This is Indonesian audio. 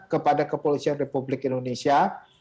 kepada kepolisian republik indonesia